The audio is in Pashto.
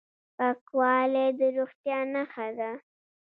پاکوالی د روغتیا نښه ده.